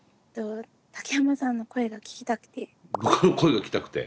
竹山さんの声が聞きたくて。